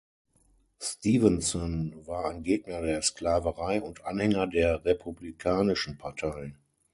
Stevenson war ein Gegner der Sklaverei und Anhänger der Republikanischen Partei.